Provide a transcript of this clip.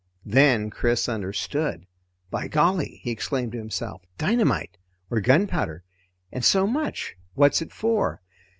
Then Chris understood. By golly! he exclaimed to himself, dynamite! Or gunpowder! And so much! What's it for?